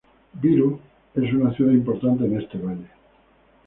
Virú es una ciudad importante de este valle.